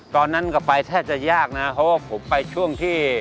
กลับไปแทบจะยากนะเพราะว่าผมไปช่วงที่